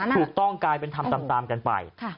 ถูกต้องกลายเป็นทำตามกันไป